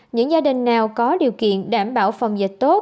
những gia đình nào có điều kiện đảm bảo phòng dịch tốt